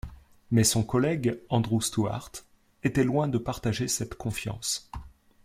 Mais son collègue, Andrew Stuart, était loin de partager cette confiance.